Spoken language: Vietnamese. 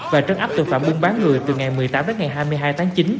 và trấn áp tội phạm buôn bán người từ ngày một mươi tám đến ngày hai mươi hai tháng chín